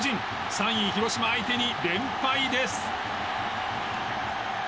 ３位、広島相手に連敗です。